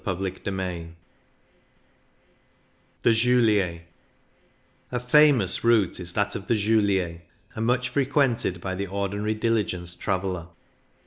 CHAPTER VI THE JULIER A FAMOUS route is that of the JuHer, and much frequented by the ordinary diligence traveller.